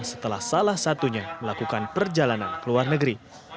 setelah salah satunya melakukan perjalanan ke luar negeri